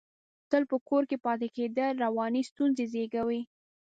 تل په کور کې پاتې کېدل، رواني ستونزې زېږوي.